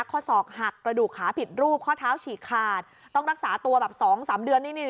ข้อศอกหักกระดูกขาผิดรูปข้อเท้าฉีกขาดต้องรักษาตัวแบบสองสามเดือนนี่นี่